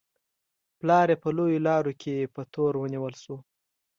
پلار یې په لویو لارو کې په تور ونیول شو.